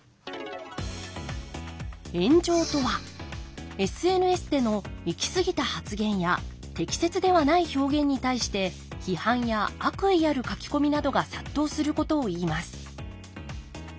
炎上とはＳＮＳでの行き過ぎた発言や適切ではない表現に対して批判や悪意ある書き込みなどが殺到することをいいます。